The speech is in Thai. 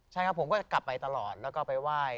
ใช่ครับผมก็จะกลับไปตลอดแล้วก็ไปไหว้